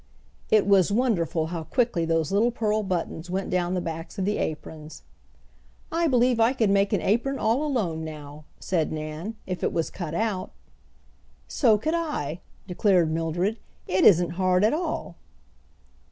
It was wonderful how quickly those little pearl buttons went down the backs of the aprons. "I believe I could make an apron all alone now," said Nan, "if it was cut out." "So could I," declared Mildred. "It isn't hard at all."